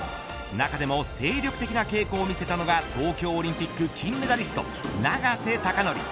中でも精力的な稽古を見せたのが東京オリンピック金メダリスト永瀬貴規。